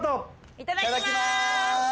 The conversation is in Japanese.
いただきます！